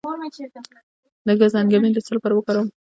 د ګز انګبین د څه لپاره وکاروم؟